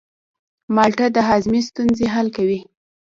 مالټه د هاضمې ستونزې حل کوي.